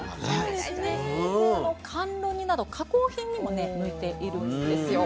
甘露煮など加工品にもね向いているんですよ。